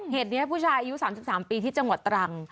เหตุเนี้ยผู้ชายอายุสามสิบสามปีที่จังหวัดตรัง